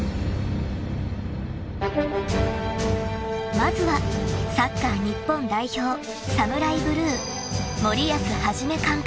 ［まずはサッカー日本代表ＳＡＭＵＲＡＩＢＬＵＥ森保一監督］